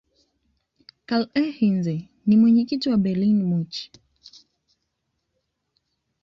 karlheinze ni mwenyekiti wa bayern munich